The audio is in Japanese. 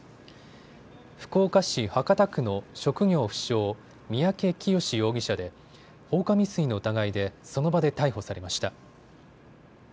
福岡市博多区の職業不詳、三宅潔容疑者で放火未遂の疑いでその場で逮捕されました。